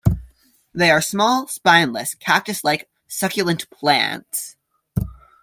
They are small, spineless, cactus-like succulent plants.